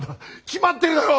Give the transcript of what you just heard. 決まってるだろ！